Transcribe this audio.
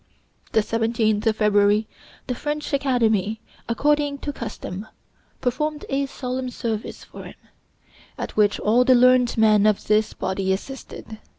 The 17th of February the French Academy, according to custom, performed a solemn service for him, at which all the learned men of this body assisted.